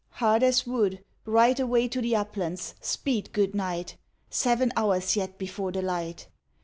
Hard as wood, Right away to the uplands; speed, good knight! Seven hours yet before the light.